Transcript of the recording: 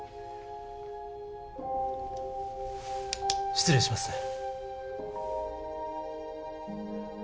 失礼しますね。